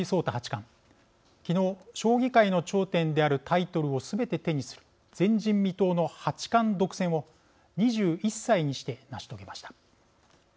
冠昨日将棋界の頂点であるタイトルをすべて手にする前人未到の八冠独占を２１歳にして成し遂げました。